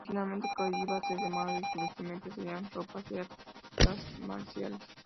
Originalmente Kyo iba a ser llamado y su vestimenta serían ropas de artes marciales.